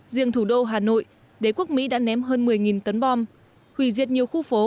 riêng thủ đô hà nội đế quốc mỹ đã ném hơn một mươi tấn bom hủy diệt nhiều khu phố